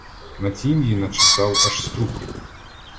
На тім'ї начесав аж струп.